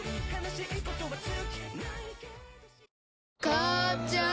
母ちゃん